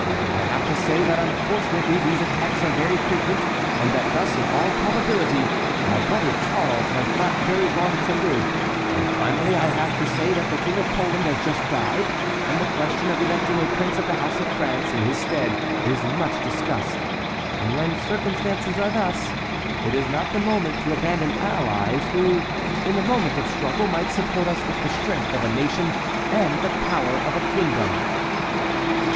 I have to say that unfortunately these attacks are very frequent, and that thus, in all probability, our brother Charles has not very long to live; and, finally, I have to say that the King of Poland has just died, and the question of electing a prince of the house of France in his stead is much discussed; and when circumstances are thus, it is not the moment to abandon allies who, in the moment of struggle, might support us with the strength of a nation and the power of a kingdom."